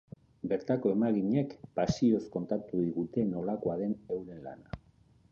Bertako emaginek pasioz kontatu digute nolakoa den euren lana.